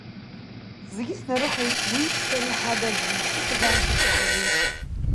Зегьы снарыхеит, уии сареи ҳада аӡәгьы иԥсы ҭаӡамшәа сҟалеит.